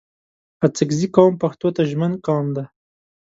اڅګزي قوم پښتو ته ژمن قوم دی